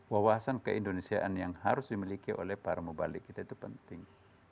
wawasan keindonesiaan yang harus dimiliki oleh para mubalik kita itu penting